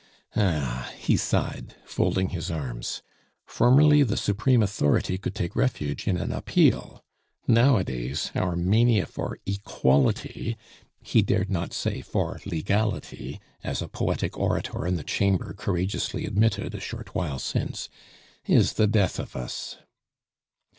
"Ah!" he sighed, folding his arms, "formerly the supreme authority could take refuge in an appeal. Nowadays our mania for equality" he dared not say for Legality, as a poetic orator in the Chamber courageously admitted a short while since "is the death of us."